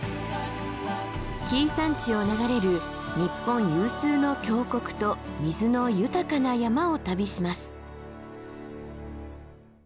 紀伊山地を流れる日本有数の峡谷と水の豊かな山を旅します。